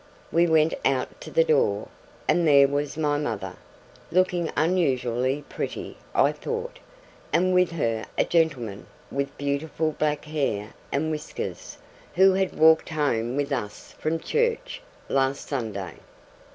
We went out to the door; and there was my mother, looking unusually pretty, I thought, and with her a gentleman with beautiful black hair and whiskers, who had walked home with us from church last Sunday.